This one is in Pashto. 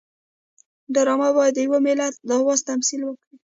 ډرامه باید د یو ملت د آواز تمثیل وکړي